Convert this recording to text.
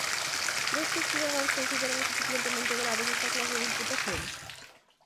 Cres que os cidadáns consideran o suficientemente graves esta clase de imputacións?